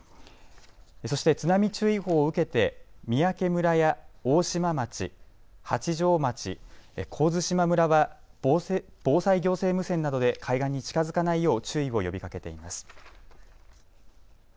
そして津波注意報を受けて三宅村や大島町、八丈町、神津島村は防災行政無線などで海岸に近づかないよう注意を呼びかけています。